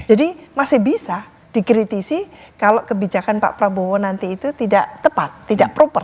jadi masih bisa dikritisi kalau kebijakan pak prabowo nanti itu tidak tepat tidak proper